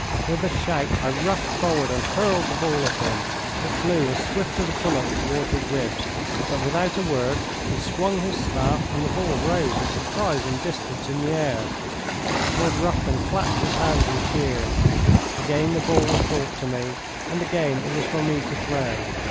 With a shout I rushed forward and hurled the ball at him. It flew as swift as a bullet toward his ribs, but without a word he swung his staff and the ball rose a surprising distance in the air. Lord Rufton clapped his hands and cheered. Again the ball was brought to me, and again it was for me to throw.